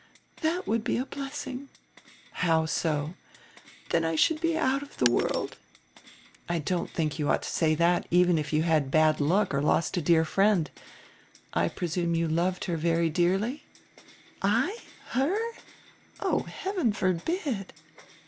"That would be a blessing." "How so?" "Then I should be out of the world." "I don't diink you ought to say diat, even if you had bad luck or lost a dear friend. I presume you loved her very dearly?" '1? Her? Oh, heaven forbid!"